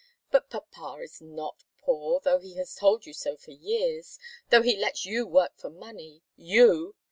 But papa is not poor, though he has told you so for years, though he lets you work for money you!